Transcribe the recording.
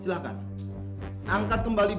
oh enggak bos